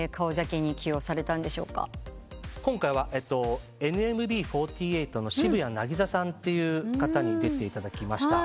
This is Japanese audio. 今回はＮＭＢ４８の渋谷凪咲さんに出ていただきました。